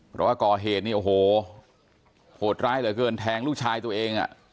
เพราะว่าก่อเหตุนี่โอ้โหโหดร้ายเหลือเกินแทงลูกชายตัวเองอ่ะ